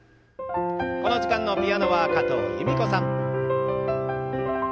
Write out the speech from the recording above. この時間のピアノは加藤由美子さん。